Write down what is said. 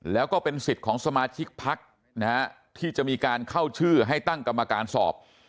แล้วก็เป็นสิทธิ์ของสมาชิกพักนะฮะที่จะมีการเข้าชื่อให้ตั้งกรรมการสอบ